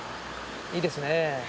いいですねえ。